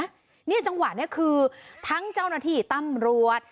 เนี่ยจังหวะนี้คือทั้งเจ้าหน้าที่ตำรวจ